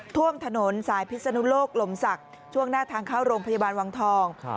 ท่วมถนนสายพิศนุโลกลมศักดิ์ช่วงหน้าทางเข้าโรงพยาบาลวังทอง